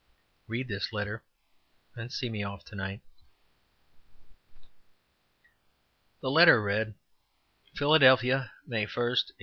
"Read this letter, and see me off to night." The letter read: "Philadelphia, May 1, 1879.